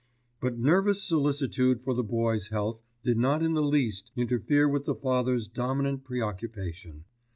But nervous solicitude for the boy's health did not in the least interfere with the father's dominant preoccupation.